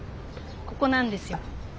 ここなんですよ。